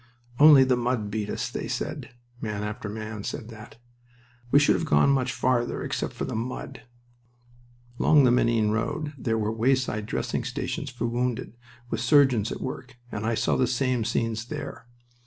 "Only the mud beat us," they said. Man after man said that. "We should have gone much farther except for the mud." Along the Menin road there were wayside dressing stations for wounded, with surgeons at work, and I saw the same scenes there.